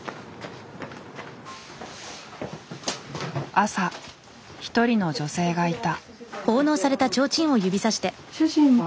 朝一人の女性がいた。